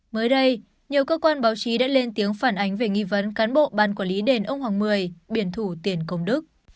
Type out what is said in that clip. mới đây nhiều cơ quan báo chí đã lên tiếng phản ánh về nghi vấn cán bộ ban quản lý đền ông hoàng mười biển thủ tiền công đức